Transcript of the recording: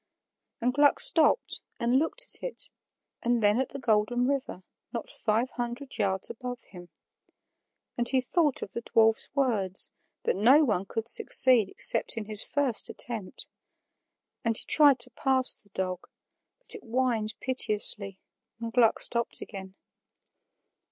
And Gluck stopped and looked at it, and then at the Golden River, not five hundred yards above him; and he thought of the dwarf's words, that no one could succeed except in his first attempt; and he tried to pass the dog, but it whined piteously and Gluck stopped again.